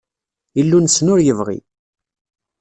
Illu-nsen ur yebɣi.